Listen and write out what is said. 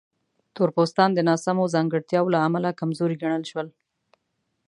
تور پوستان د ناسمو ځانګړتیاوو له امله کمزوري ګڼل شول.